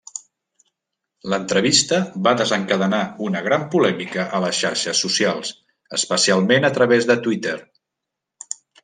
L'entrevista va desencadenar una gran polèmica a les xarxes socials, especialment a través de Twitter.